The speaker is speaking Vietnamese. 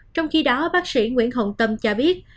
trong khi đó bác sĩ nguyễn hồng tâm cho biết